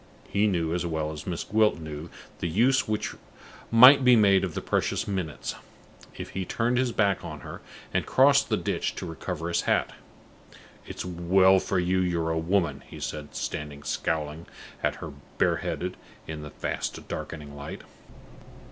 He knew as well as Miss Gwilt knew the use which might be made of the precious minutes, if he turned his back on her and crossed the ditch to recover his hat. "It's well for you you're a woman," he said, standing scowling at her bareheaded in the fast darkening light.